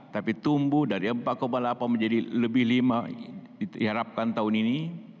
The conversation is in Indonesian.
tapi tumbuh dari empat delapan menjadi lebih lima diharapkan tahun ini